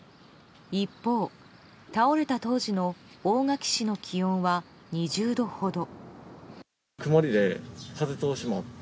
一方、倒れた当時の大垣市の気温は２０度ほど。